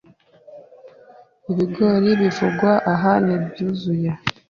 Ibigori bivugwa aha ni ibyuzuye;